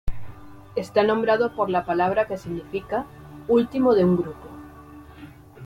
Está nombrado por la palabra que significa "último de un grupo".